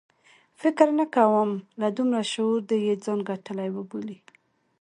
فکر نه کوم له دومره شعور دې یې ځان ګټلی وبولي.